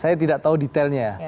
saya tidak tahu detailnya